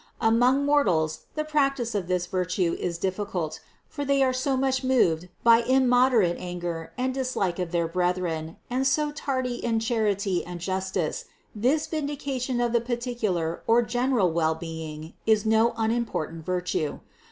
Among mortals the practice of this virtue is difficult; for they are so much moved by immoderate anger and dislike of their brethren, and so tardy in charity and justice, this vindication of the particular or general wellbeing is no unimportant virtue.